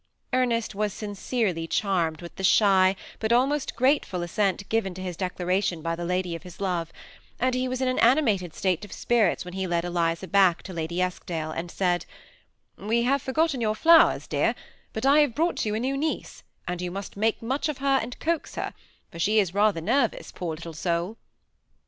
Ernest was sincerely charmed with the shy, but almost grateful assent given to his declaration, by the lady of his love ; and he was in an animated state of spirits when he led Eliza back to Lady Eskdale, and said, " We have forgotten your flowers, dear, but I have brought you a new niece, and you must make much of her, and coax her, for she is rather nervous, poor little soul."